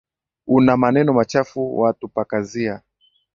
Una maneno machafu watupakazia.